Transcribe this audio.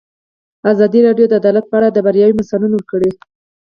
ازادي راډیو د عدالت په اړه د بریاوو مثالونه ورکړي.